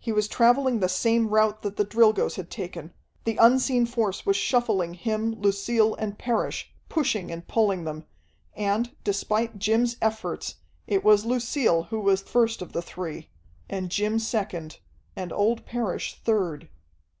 He was traveling the same route that the Drilgoes had taken. The unseen force was shuffling him, Lucille, and Parrish, pushing and pulling them. And, despite Jim's efforts, it was Lucille who was first of the three ... and Jim second ... and old Parrish third....